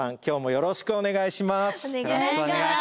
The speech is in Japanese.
よろしくお願いします。